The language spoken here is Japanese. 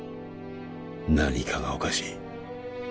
何かがおかしい